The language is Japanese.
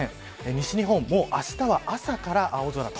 西日本あしたは朝から青空。